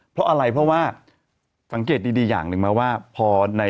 เพราะอะไรเพราะว่าสังเกตดีอย่างหนึ่งไหมว่าพอใน